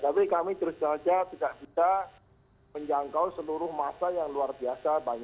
tapi kami terus saja tidak bisa menjangkau seluruh masa yang luar biasa